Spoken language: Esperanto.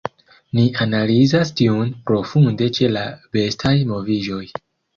Ni analizas tiujn profunde ĉe la bestaj moviĝoj.